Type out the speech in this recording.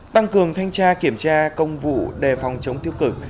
tăng cường thanh tra kiểm tra công vụ đề phòng chống tiêu cực